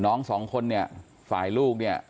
น้องสองคนเนี่ยฝ่ายลูกเนี่ย